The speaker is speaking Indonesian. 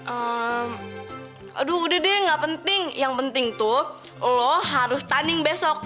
aduh udah deh gak penting yang penting tuh lo harus tunning besok